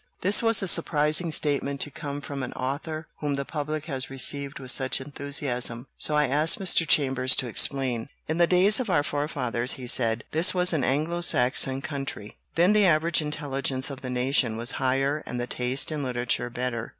This was a surprising statement to come from an author whom the public has received with such enthusiasm, so I asked Mr. Chambers to explain. " In the days of our forefathers," he said, "this was an Anglo Saxon country. Then the average intelligence of the nation was higher and the taste in literature better.